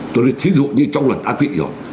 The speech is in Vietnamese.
tôi nói ví dụ như trong luận a quỵ rồi